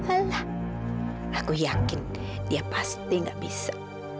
alah aku yakin dia pasti gak bisa